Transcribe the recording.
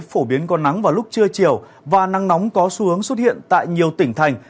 phổ biến có nắng vào lúc trưa chiều và nắng nóng có xu hướng xuất hiện tại nhiều tỉnh thành